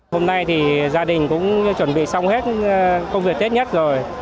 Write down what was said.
hôm nay thì gia đình cũng chuẩn bị xong hết công việc tết nhất rồi